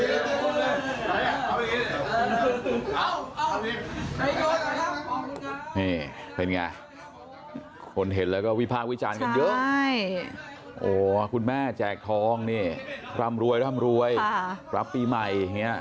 นี่เป็นยังไงคนเห็นแล้วก็วิภาควิจารณ์กันเยอะโอ้คุณแม่แจกทองนี่รำรวยรับปีใหม่